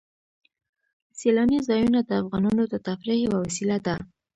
سیلانی ځایونه د افغانانو د تفریح یوه وسیله ده.